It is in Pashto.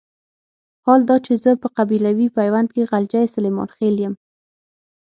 حال دا چې زه په قبيلوي پيوند کې غلجی سليمان خېل يم.